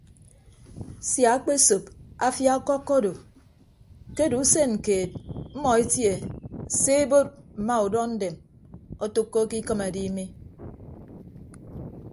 Sia akpesop afia ọkọkkọ odo ke odo usen keed mmọ etie se ebod mma udọ ndem otәkkoke ikịm edi mi.